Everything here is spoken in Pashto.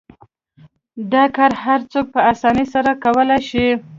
دا کار هر څوک په اسانۍ سره کولای شي.